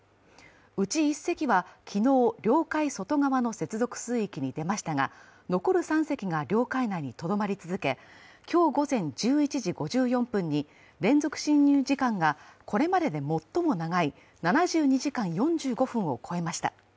うち１隻は昨日、領海外側の接続水域に出ましたが残る３隻が領海内にとどまり続け、今日午前１１時５４分に連続侵入時間がこれまでで最も長い７２時間４５分を超えました。